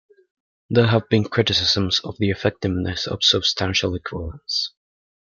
There have been criticisms of the effectiveness of substantial equivalence.